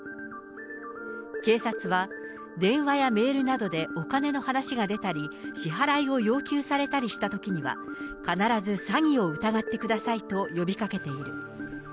警察は電話やメールなどでお金の話が出たり、支払いを要求されたりしたときには、必ず詐欺を疑ってくださいと呼びかけている。